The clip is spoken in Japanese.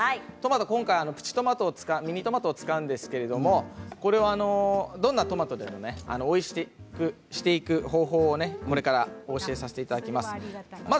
今回ミニトマトを使うんですけれどもどんなトマトでもおいしくしていく方法をこれからお教えさせていただきます。